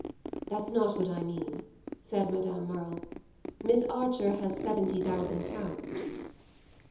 "That's not what I mean," said Madame Merle. "Miss Archer has seventy thousand pounds."